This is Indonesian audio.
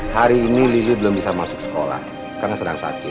hari ini lili belum bisa masuk sekolah karena sedang sakit